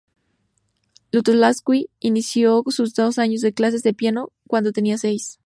Lutosławski inició sus dos años de clases de piano cuando tenía seis.